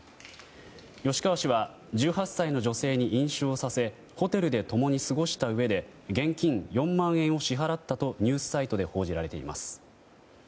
吉川氏は１８歳の女性に飲酒をさせホテルで共に過ごしたうえで現金４万円を支払ったとニュースサイトで報じられています。